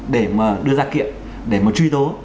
để mà đưa ra kiện để mà truy tố